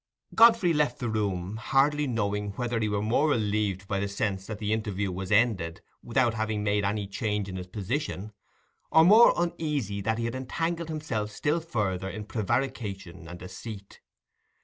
Godfrey left the room, hardly knowing whether he were more relieved by the sense that the interview was ended without having made any change in his position, or more uneasy that he had entangled himself still further in prevarication and deceit.